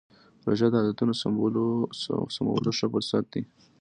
روژه د عادتونو سمولو ښه فرصت دی.